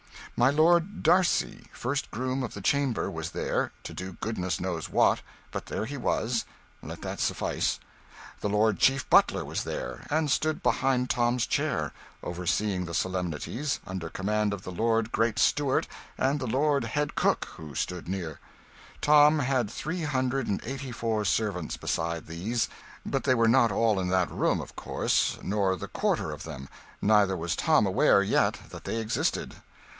My Lord d'Arcy, First Groom of the Chamber, was there, to do goodness knows what; but there he was let that suffice. The Lord Chief Butler was there, and stood behind Tom's chair, overseeing the solemnities, under command of the Lord Great Steward and the Lord Head Cook, who stood near. Tom had three hundred and eighty four servants beside these; but they were not all in that room, of course, nor the quarter of them; neither was Tom aware yet that they existed.